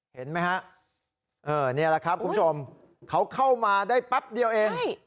เห็นไหมฮะนี่แหละครับคุณผู้ชมเขาเข้ามาได้แป๊บเดียวเอง